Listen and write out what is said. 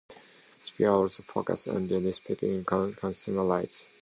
Speier also focused on representing consumer rights.